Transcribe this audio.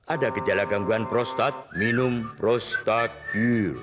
ada gejala gangguan prostat minum prostagir